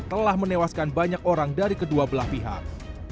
telah menewaskan banyak orang dari kedua belah pihak